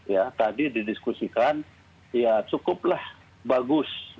ya tadi didiskusikan ya cukuplah bagus